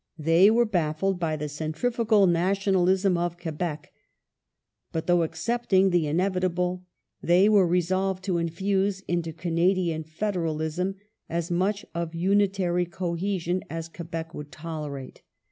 They were baffled by "the centrifugal nationalism of Quebec ".^ But, though accepting the inevitable, they were resolved to infuse into Canadian federalism as much of unitary cohesion as Quebec would tolerate.